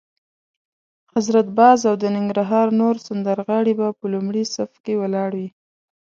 حضرت باز او د ننګرهار نور سندرغاړي به په لومړي صف کې ولاړ وي.